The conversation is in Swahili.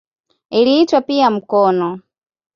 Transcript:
Iliitwa pia "mkono".